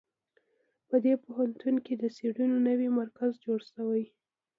په دې پوهنتون کې د څېړنو نوی مرکز جوړ شوی